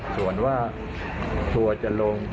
ส่วนว่าทัวลง